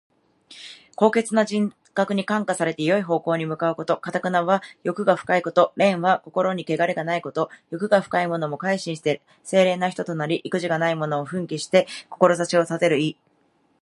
高潔な人格に感化されて、よい方向に向かうこと。「頑」は欲が深いこと。「廉」は心にけがれがないこと。欲が深いものも改心して清廉な人となり、意気地がないものも奮起して志を立てる意。